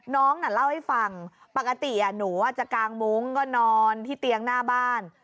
น้องน่ะเล่าให้ฟังปกติหนูจะกางมุ้งก็นอนที่เตียงหน้าบ้าน